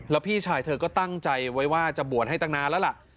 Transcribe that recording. แล้วพี่ชายเธอก็ตั้งใจไว้ว่าจะบวชให้ตั้งนานแล้วล่ะ